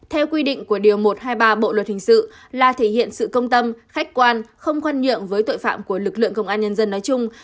theo quy định của điều một trăm hai mươi ba bộ luật hình sự là thể hiện sự công tâm khách quan không khoan nhượng với tội phạm của lực lượng công an nhân dân nói chung